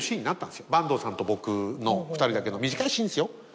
板東さんと僕の２人だけの短いシーンですよ。